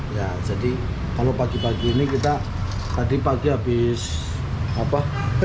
ya jadi kalau pagi pagi ini kita tadi pagi habis apa